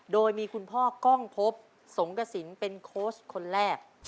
โดยมีคุณพ่อกล้องพบสงกระสินเป็นโค้ชคนแรก